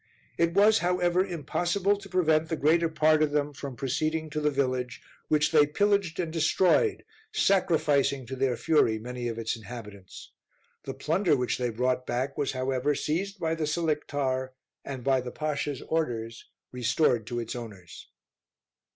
It was however impossible to prevent the greater part of them from proceeding to the village, which they pillaged and destroyed, sacrificing to their fury many of its inhabitants. The plunder which they brought back was however seized by the Selictar, and by the Pasha's orders restored to its owners.